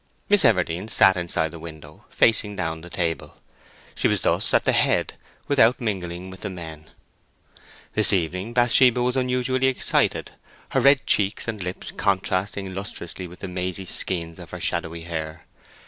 Miss Everdene sat inside the window, facing down the table. She was thus at the head without mingling with the men. This evening Bathsheba was unusually excited, her red cheeks and lips contrasting lustrously with the mazy skeins of her shadowy hair.